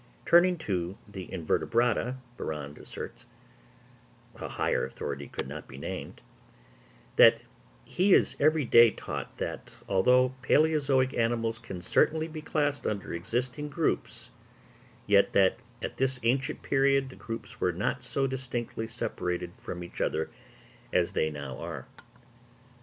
Turning to the Invertebrata, Barrande asserts, a higher authority could not be named, that he is every day taught that, although palæozoic animals can certainly be classed under existing groups, yet that at this ancient period the groups were not so distinctly separated from each other as they now are.